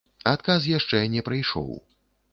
Адказ яшчэ не прыйшоў.